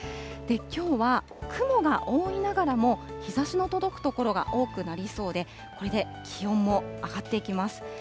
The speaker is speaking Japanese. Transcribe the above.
きょうは雲が多いながらも、日ざしの届く所が多くなりそうで、これで気温も上がっていきます。